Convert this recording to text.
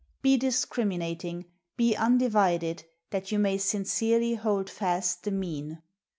Be discriminating, be undi vided, that you may sincerely hold fast the Mean.